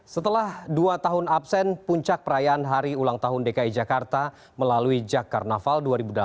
setelah dua tahun absen puncak perayaan hari ulang tahun dki jakarta melalui jakarnaval dua ribu delapan belas